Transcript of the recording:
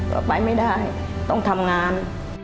ก็ไปไม่ได้ต้องทำงาน